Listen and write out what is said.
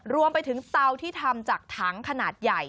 รวมไปถึงเตาที่ทำจากถังขนาดใหญ่